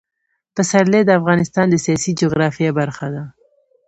پسرلی د افغانستان د سیاسي جغرافیه برخه ده.